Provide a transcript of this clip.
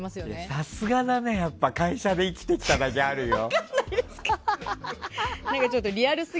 さすがだね、やっぱり会社で生きてきただけあるよ。